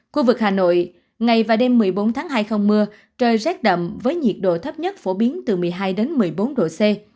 khu vực hà nội ngày và đêm một mươi bốn tháng hai không mưa trời rét đậm với nhiệt độ thấp nhất phổ biến từ một mươi hai một mươi bốn độ c